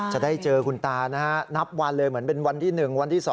จะได้เจอคุณตานะฮะนับวันเลยเหมือนเป็นวันที่๑วันที่๒